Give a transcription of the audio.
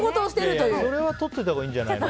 それはとっておいたほうがいいんじゃないの。